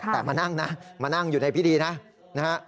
แต่มานั่งนะมานั่งอยู่ในพิธีนะนะฮะ